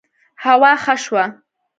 هوا ښه شوه